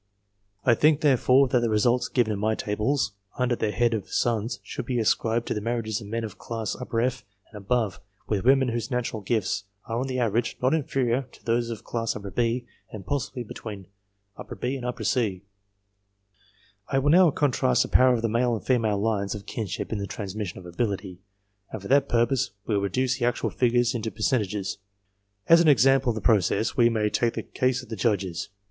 I think, therefore, that the results given in my tables, under the head of " Sons," should be ascribed to the marriages of men of class F and above, with women whose natural gifts are, on the average, not inferior to those of class B, and possibly between B and C. I will now contrast the power of the male and female lines of kinship in the transmission of ability, and for that purpose will reduce the actual figures into percentages. As an example of the process, we may take the cases of the Judges.